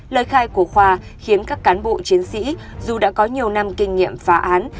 lời khai của khoa khiến các cán bộ chiến sĩ dù đã có nhiều năm kinh nghiệm phá án